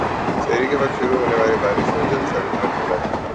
سحری کے وقت شروع ہونے والی بارشوں جل تھل کر دیا